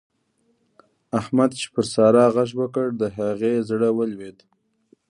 احمد چې پر سارا غږ وکړ؛ د هغې زړه ولوېد.